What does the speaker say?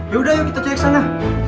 yaudah yuk kita cari ke sana